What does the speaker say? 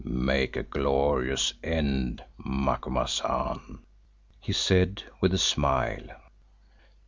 "Make a glorious end, Macumazahn," he said with a smile.